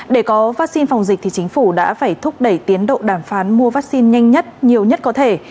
để có vaccine phòng dịch thì chính phủ đã phải thúc đẩy tiến độ đàm phán mua vaccine nhanh nhất nhiều nhất có thể